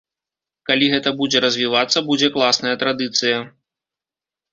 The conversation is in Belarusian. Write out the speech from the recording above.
Калі гэта будзе развівацца, будзе класная традыцыя.